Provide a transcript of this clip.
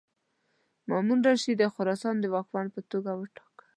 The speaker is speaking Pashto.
مامون الرشید د خراسان د واکمن په توګه وټاکه.